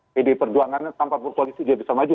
jadi perjuangannya tanpa koalisi dia bisa maju